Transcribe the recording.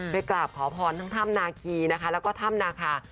กราบขอพรทั้งถ้ำนาคีนะคะแล้วก็ถ้ำนาคา